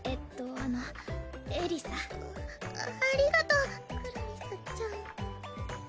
あのエリサありがとうクラリスちゃん